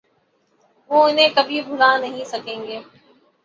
وہ انہیں کبھی بھلا نہیں سکیں گے۔